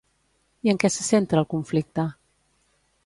I en què se centra el conflicte?